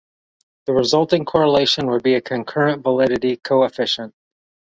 The resulting correlation would be a concurrent validity coefficient.